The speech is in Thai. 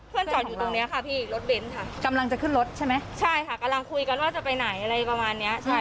จอดอยู่ตรงนี้ค่ะพี่รถเบนท์ค่ะกำลังจะขึ้นรถใช่ไหมใช่ค่ะกำลังคุยกันว่าจะไปไหนอะไรประมาณเนี้ยใช่